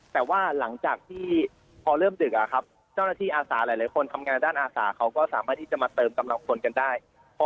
แต่ว่าหลังจากที่พอเริ่มดึกเจ้าหน้าที่อาสาหลายคนทำงานด้านอาสาเขาก็สามารถที่จะมาเติมกำลังคนกันได้